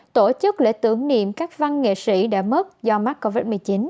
tổ chức lễ tưởng niệm các văn nghệ sĩ đã mất do mắc covid một mươi chín